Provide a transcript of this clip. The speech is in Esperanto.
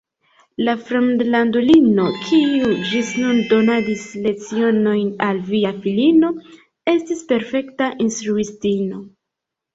La fremdlandulino, kiu ĝis nun donadis lecionojn al via filino, estis perfekta instruistino.